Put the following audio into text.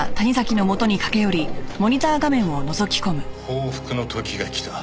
「報復の時が来た」